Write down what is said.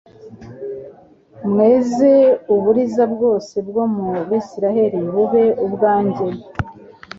Mweze uburiza bwose bwo mu BIsiraheli bube ubwanjye